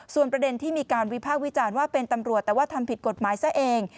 ส่วนประเด็นที่มีการวิพากษ์วิจารณ์ว่าเป็นตำรวจแต่ว่าทำผิดกฎหมายซะเอง